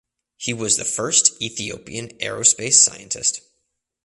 He was the first Ethiopian Aerospace scientist.